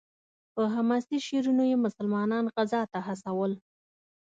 په حماسي شعرونو یې مسلمانان غزا ته هڅول.